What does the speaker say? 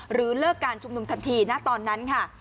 หรือเลิกการชุมนุมทันทีณตอนนั้นค่ะ